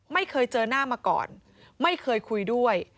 ไม่เคยเจอหน้ามาก่อนไม่เคยคุยด้วย